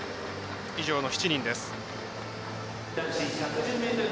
以上の７人です。